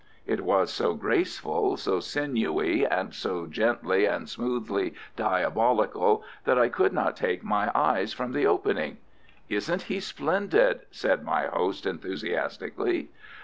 It was so graceful, so sinewy, and so gently and smoothly diabolical, that I could not take my eyes from the opening. "Isn't he splendid?" said my host, enthusiastically.